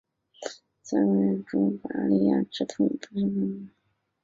塞尔维亚王国又在保加利亚之后统治弗拉涅。